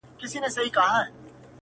دا نجلۍ لکه شبنم درپسې ژاړي!!